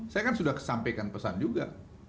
saya kan sudah kesampaikan pesan juga